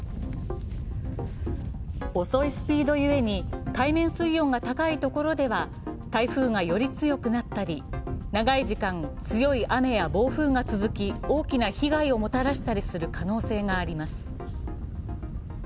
遅いスピードゆえに、海面水温が高いところでは台風がより強くなったり長い時間、強い雨や暴風が続き大きな被害をもたらしたりする可能性があります。